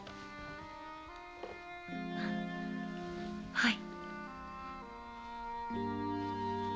はい。